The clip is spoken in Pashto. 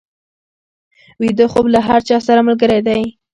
ویده خوب له هر چا سره ملګری دی